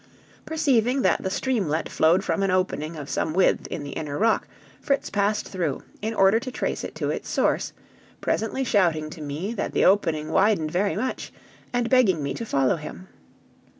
Perceiving that the streamlet flowed from an opening of some width in the inner rock, Fritz passed through, in order to trace it to its source, presently shouting to me that the opening widened very much, and begging me to follow him.